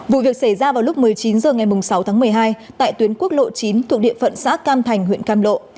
vụ việc xảy ra vào lúc một mươi chín h ngày sáu tháng một mươi hai tại tuyến quốc lộ chín thuộc địa phận xã cam thành huyện cam lộ